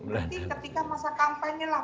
jadi ketika masa kampanye lah